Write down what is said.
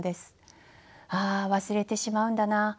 「ああ忘れてしまうんだな。